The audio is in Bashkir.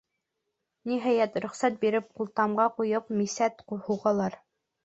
Ниһайәт, рөхсәт биреп, ҡултамға ҡуйып, мисәт һуғалар.